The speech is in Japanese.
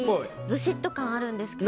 ずしっと感があるんですが。